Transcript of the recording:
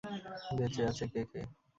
বেঁচে আছে কে কে?